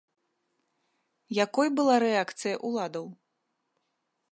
Якой была рэакцыя ўладаў?